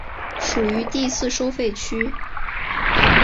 属于第四收费区。